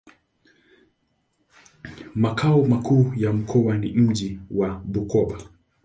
Makao makuu ya mkoa ni mji wa Bukoba.